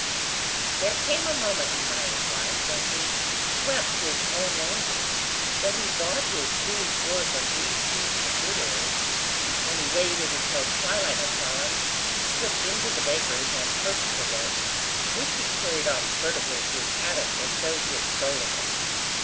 There came a moment in Marius' life, when he swept his own landing, when he bought his sou's worth of Brie cheese at the fruiterer's, when he waited until twilight had fallen to slip into the baker's and purchase a loaf, which he carried off furtively to his attic as though he had stolen it.